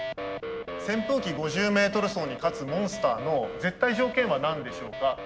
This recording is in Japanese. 「扇風機５０Ｍ走」に勝つモンスターの絶対条件は何でしょうか。